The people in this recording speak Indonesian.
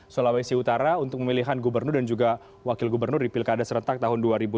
sulawesi utara untuk pemilihan gubernur dan juga wakil gubernur di pilkada serentak tahun dua ribu delapan belas